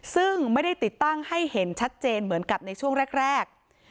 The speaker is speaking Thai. ซึ่งไม่ได้ติดตั้งให้เห็นชัดเจนเหมือนกับในช่วงแรก